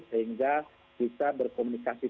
sehingga bisa berkomunikasi